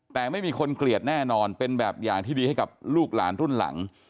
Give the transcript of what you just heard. แต่ไม่มีคนเกลียดแน่นอนเป็นแบบอย่างที่ดีให้กับลูกหลานรุ่นหลัง